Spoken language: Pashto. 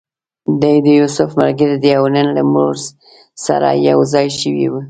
دی د یوسف ملګری دی او نن له موږ سره یو ځای شوی و.